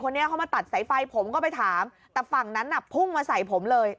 คนนี้เขามาตัดสายไฟผมก็ไปถามแต่ฝั่งนั้นน่ะพุ่งมาใส่ผมเลย